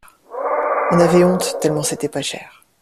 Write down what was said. On avait honte tellement c'était pas cher.